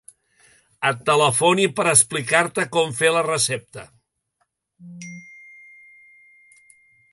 Et telefoni per explicar-te com fer la recepta.